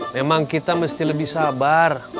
memang kita mesti lebih sabar